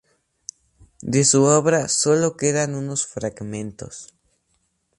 De su obra solo quedan unos fragmentos.